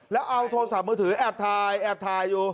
แล้วเอาโทรศัพท์มือถือแอบถ่าย